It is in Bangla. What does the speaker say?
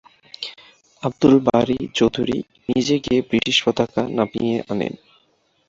আব্দুল বারী চৌধুরী নিজে গিয়ে ব্রিটিশ পতাকা নামিয়ে দেন।